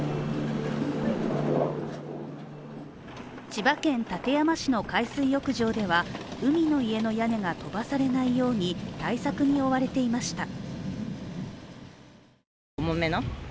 千葉県館山市の海水浴場では海の家の屋根が飛ばされないように対策に追われていました。